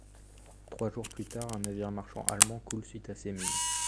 Trois jours plus tard, un navire marchand allemand coule suite à ces mines.